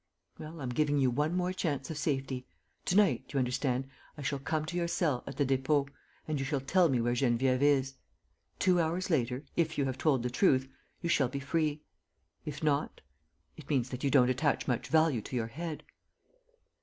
... Well, I'm giving you one more chance of safety. To night, you understand, I shall come to your cell, at the Dépôt, and you shall tell me where Geneviève is. Two hours later, if you have told the truth, you shall be free. If not ... it means that you don't attach much value to your head."